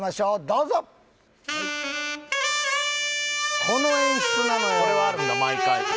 どうぞこの演出なのよこれはあるんだ毎回